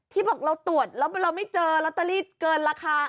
บอกเราตรวจแล้วเราไม่เจอลอตเตอรี่เกินราคา